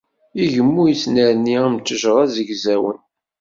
Igemmu yettnerni am ttejra zegzawen.